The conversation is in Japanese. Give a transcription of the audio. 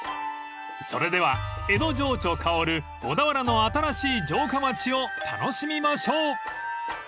［それでは江戸情緒薫る小田原の新しい城下町を楽しみましょう！］